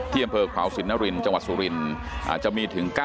๒๕๖๒ที่อำเภอขาวสินณรินจังหวัดสุรินอาจจะมีถึง๙